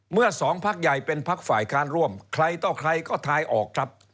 สองพักใหญ่เป็นพักฝ่ายค้านร่วมใครต่อใครก็ทายออกครับ